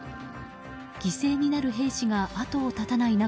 犠牲になる兵士が後を絶たない中